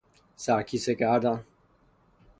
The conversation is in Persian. سر کیسه کردن